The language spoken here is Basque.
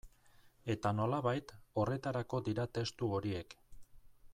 Eta, nolabait, horretarako dira testu horiek.